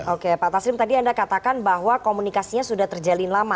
oke pak tasrim tadi anda katakan bahwa komunikasinya sudah terjalin lama